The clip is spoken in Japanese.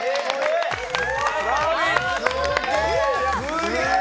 すげえ！